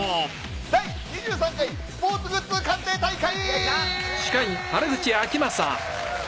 第２３回スポーツグッズ鑑定大会！